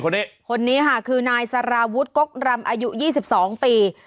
คนนี้คนนี้ค่ะคือนายสาราวุธกกรรมอายุยี่สิบสองปี